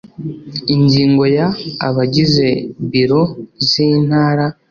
Ingingo ya Abagize Biro z Intara